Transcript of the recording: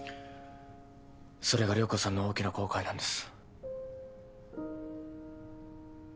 それが涼子さんの大きな後悔なんです。